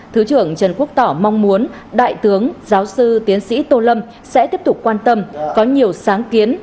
thứ trưởng trần quốc tỏ mong muốn đại tướng giáo sư tiến sĩ tô lâm sẽ tiếp tục quan tâm có nhiều sáng kiến